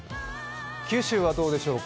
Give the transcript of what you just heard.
九州はどうでしょうか。